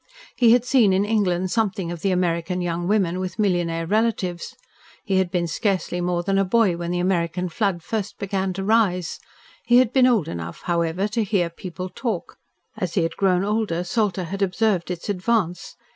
He had seen in England something of the American young woman with millionaire relatives. He had been scarcely more than a boy when the American flood first began to rise. He had been old enough, however, to hear people talk. As he had grown older, Salter had observed its advance.